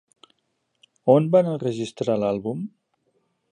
On van enregistrar l'àlbum?